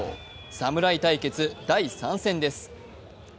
侍対決第３戦です。